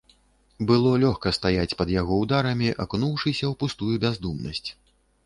Было лёгка стаяць пад яго ўдарамі, акунуўшыся ў пустую бяздумнасць.